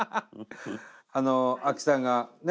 あの亜希さんがね